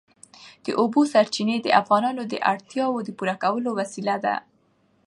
د اوبو سرچینې د افغانانو د اړتیاوو د پوره کولو وسیله ده.